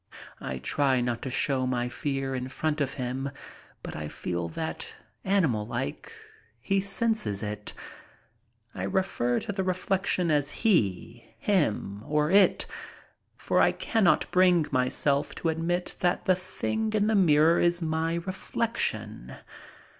I try not to show my fear in front of him, but I feel that, animal like, he senses it. I refer to the reflection as "he," "him," or "it," for I cannot bring myself to admit that the thing in the mirror is my reflection.